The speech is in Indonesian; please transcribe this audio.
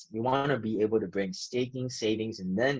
kami ingin dapat membawa uang uang dan uang untuk orang indonesia